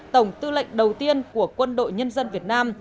tổng tư lệnh đầu tiên của quân đội nhân dân việt nam